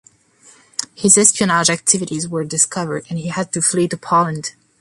His espionage activities were discovered, and he had to flee to Poland.